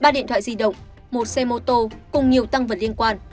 ba điện thoại di động một xe mô tô cùng nhiều tăng vật liên quan